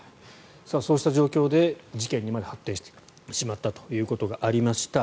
そうした状況で事件にまで発展しまったということがありました。